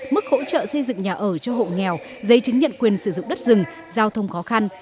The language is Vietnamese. mức hỗ trợ xây dựng nhà ở cho hộ nghèo giấy chứng nhận quyền sử dụng đất rừng giao thông khó khăn